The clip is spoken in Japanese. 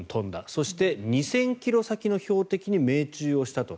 そして、２０００ｋｍ先の標的に命中したと。